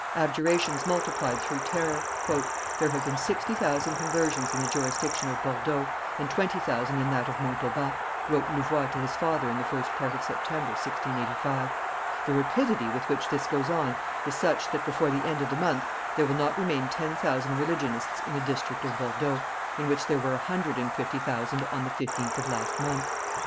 Abjurations multiplied through terror. "There have been sixty thousand conversions in the jurisdiction of Bordeaux, and twenty thousand in that of Montauban," wrote Louvois to his father in the first part of September, 1685; "the rapidity with which this goes on is such, that, before the end of the month, there will not remain ten thousand religionists in the district of Bordeaux, in which there were a hundred and fifty thousand on the 15th of last month."